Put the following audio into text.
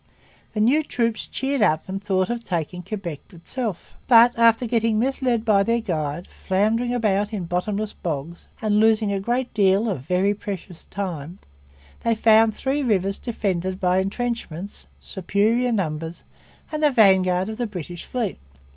The new troops cheered up and thought of taking Quebec itself. But, after getting misled by their guide, floundering about in bottomless bogs, and losing a great deal of very precious time, they found Three Rivers defended by entrenchments, superior numbers, and the vanguard of the British fleet.